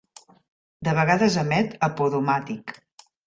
De vegades emet a podomatic.